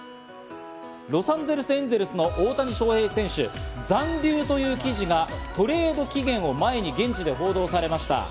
ロサンゼルス・エンゼルスの大谷翔平選手、残留という記事がトレード期限を前に現地で報道されました。